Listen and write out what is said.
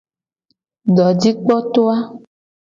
Dojikpoto a.